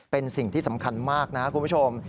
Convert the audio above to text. เป็นสิ่งที่สำคัญมากนะคุณผู้ชม